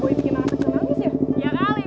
gue bikin anak kecil nangis ya